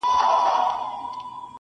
رابولې زر مخونه د خپل مخ و تماشې ته,